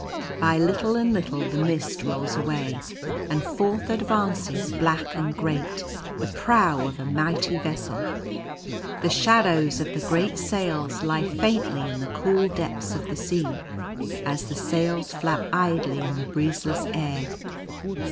By little and little the mist rolls away, and forth advances, black and great, the prow of a mighty vessel. The shadows of the great sails lie faintly in the cool depths of the sea, as the sails flap idly in the breezeless air.